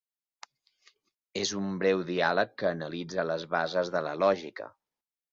És un breu diàleg que analitza les bases de la lògica.